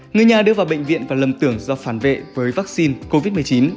người nhà đưa vào bệnh viện và lầm tưởng do phản vệ với vaccine covid một mươi chín